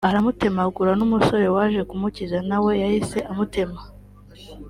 aramutemagura n’umusore waje kumukiza na we yahise amutema